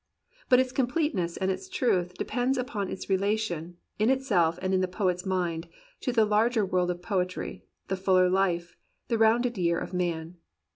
But its completeness and its truth depend upon its relation, in itself and in the poet's mind, to the larger world of poetry, the fuller life, the rounded year of man.